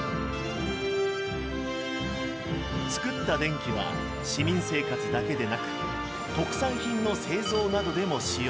作った電気は市民生活だけでなく特産品の製造などでも使用。